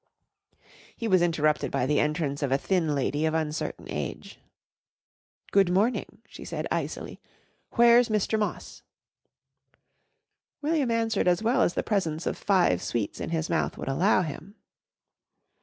He was interrupted by the entrance of a thin lady of uncertain age. "Good morning," she said icily. "Where's Mr. Moss?" William answered as well as the presence of five sweets in his mouth would allow him.